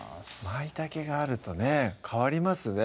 まいたけがあるとね変わりますね